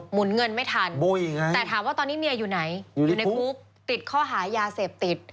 หนุนเงินไม่ทันแต่ถามว่าตอนนี้เมียอยู่ไหนอยู่ในคุกติดข้อหายาเสพติด